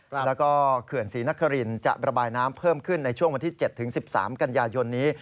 แล้วก็เขื่อนศรีนครินจะระบายน้ำเพิ่มขึ้นในช่วงวันที่๗๑๓กันยายนนี้